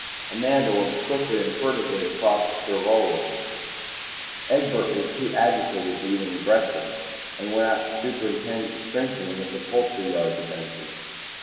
Amanda looked quickly and furtively across at Sir Lulworth. Egbert was too agitated to eat any breakfast, and went out to superintend the strengthening of the poultry yard defences.